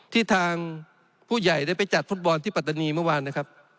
ที่ทางผู้ใหญ่ได้ไปจัดฟุตบอลที่ปัตตานีเมื่อวานนะครับ